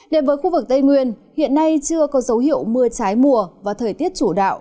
đến với khu vực tây nguyên hiện nay chưa có dấu hiệu mưa trái mùa và thời tiết chủ đạo